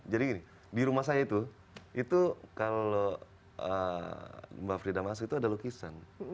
jadi gini di rumah saya itu itu kalau mbak frida mas itu ada lukisan